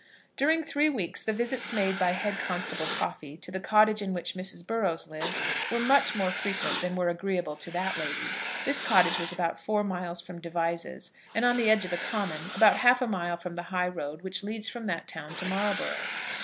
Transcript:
During three weeks the visits made by Head Constable Toffy to the cottage in which Mrs. Burrows lived were much more frequent than were agreeable to that lady. This cottage was about four miles from Devizes, and on the edge of a common, about half a mile from the high road which leads from that town to Marlborough.